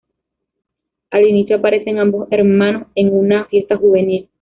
Al inicio aparecen ambos hermanos en una fiesta juvenil.